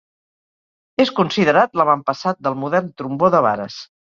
És considerat l'avantpassat del modern trombó de vares.